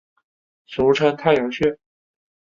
俗称太阳穴。